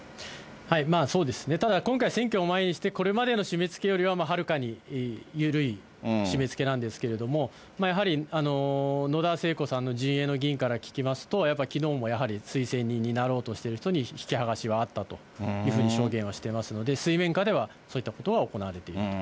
そうですね、ただ今回、選挙を前にしてこれまでの締めつけよりははるかに緩い締めつけなんですけれども、やはり野田聖子さんの陣営の議員から聞きますと、きのうもやはり推薦人になろうとしている人に、引き剥がしたあったというふうに証言はしてますので、水面下ではそういったことが行われていると。